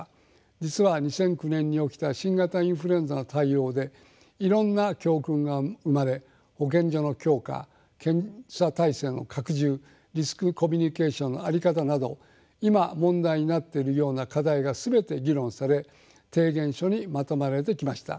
実は２００９年に起きた新型インフルエンザの対応でいろんな教訓が生まれ保健所の強化検査体制の拡充リスクコミュニケーションの在り方など今問題になっているような課題が全て議論され提言書にまとめられてきました。